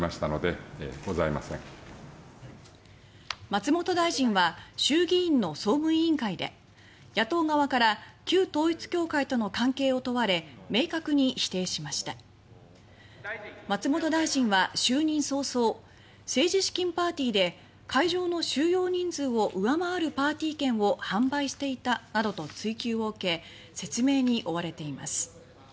松本大臣は衆議院の総務委員会で野党側から旧統一教会との関係を問われ明確に否定しました松本大臣は就任早々政治資金パーティーで会場の収容人数を上回るパーティー券を販売していたなどと追及を受け説明に追われています。